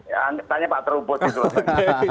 ya tanya pak terubus gitu